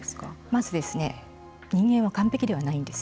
まず、人間は完璧ではないんです。